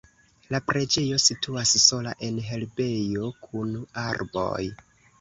La preĝejo situas sola en herbejo kun arboj.